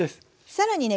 更にね